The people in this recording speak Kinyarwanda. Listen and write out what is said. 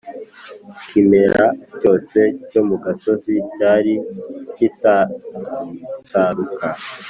ikimera cyose cyo mu gasozi cyari kitataruka